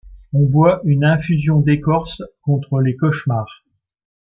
On boit une infusion d’écorce contre les cauchemars.